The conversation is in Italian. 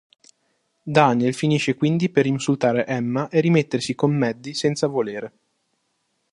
Daniel finisce quindi per insultare Emma e rimettersi con Maddie senza volere.